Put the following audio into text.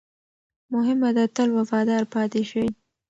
مهمه ده، تل وفادار پاتې شئ.